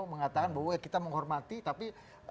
mengatakan bahwa kita menghormati tapi